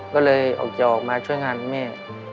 ก็เลยออกจะออกมาช่วยงานแม่